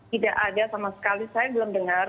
tidak ada sama sekali saya belum dengar